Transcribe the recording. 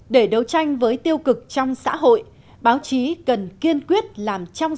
để đấu tranh với tiêu cực trong xã hội báo chí cần kiên quyết làm trong